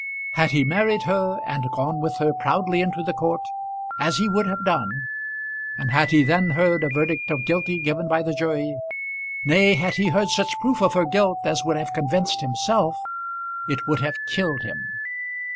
Had he married her, and gone with her proudly into the court, as he would have done, and had he then heard a verdict of guilty given by the jury; nay, had he heard such proof of her guilt as would have convinced himself, it would have killed him.